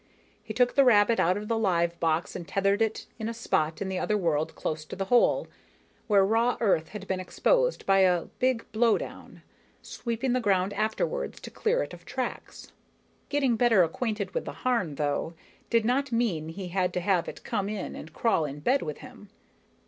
He took the rabbit out of the live box and tethered it in a spot in the other world close to the hole, where raw earth had been exposed by a big blowdown, sweeping the ground afterward to clear it of tracks. Getting better acquainted with the Harn, though, did not mean he had to have it come in and crawl in bed with him.